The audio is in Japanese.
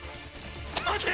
待て！